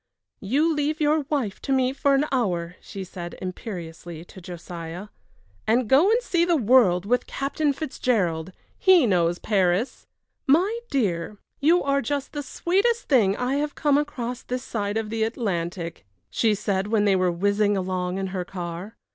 "You leave your wife to me for an hour," she said, imperiously, to Josiah, "and go and see the world with Captain Fitzgerald. He knows Paris." "My dear, you are just the sweetest thing I have come across this side of the Atlantic," she said, when they were whizzing along in her car.